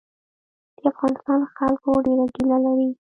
د افغانستان له خلکو ډېره ګیله لري.